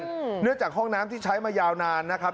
เนื่องจากห้องน้ำที่ใช้มายาวนานนะครับ